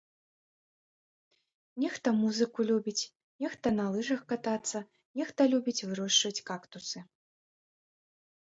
Нехта музыку любіць, нехта на лыжах катацца, нехта любіць вырошчваць кактусы.